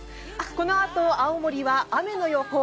このあと、青森は雨の予報。